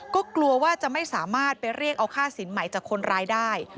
ก็กลัวว่าจะไม่สามารถไปเรียกเอาค่าสินใหม่จากคนร้ายได้